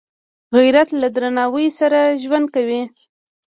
غیرت له درناوي سره ژوند کوي